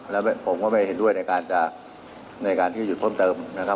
แล้วผมก็ไม่เห็นด้วยในการอยู่ผ้องเติมนะครับ